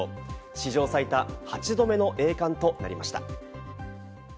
史上最多８度目の栄冠となりました。